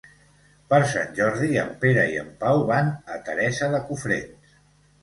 Per Sant Jordi en Pere i en Pau van a Teresa de Cofrents.